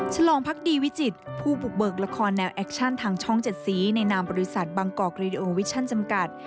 ฉลองพักดีวิจิตรผู้บุกเบิกละครแนวแอคชั่นทางช่อง๗สีในนามบริษัทบางกอกกรีโอวิชั่นจำกัด